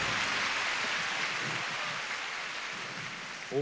お！